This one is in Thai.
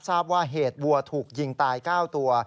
ทราบว่าเหตุวัวถูกยิงตาย๙ตัว